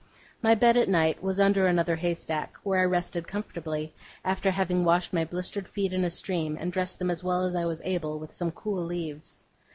My bed at night was under another haystack, where I rested comfortably, after having washed my blistered feet in a stream, and dressed them as well as I was able, with some cool leaves.